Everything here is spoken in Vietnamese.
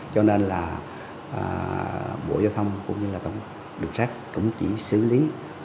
cho nên là bộ giao thông cũng như là tổng đường sắt cũng chỉ xử lý